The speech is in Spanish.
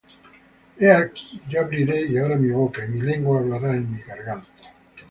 He aquí yo abriré ahora mi boca, Y mi lengua hablará en mi garganta.